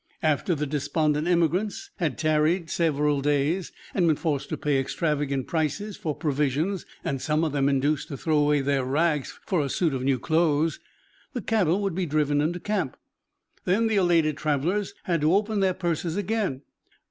After the despondent emigrants had tarried several days and been forced to pay extravagant prices for provisions, and some of them induced to throw away their rags for a suit of new clothes, the cattle would be driven into camp. Then the elated travelers had to open their purses again.